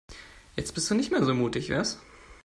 Jetzt bist du nicht mehr so mutig, was?